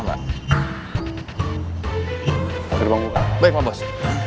baik pak bos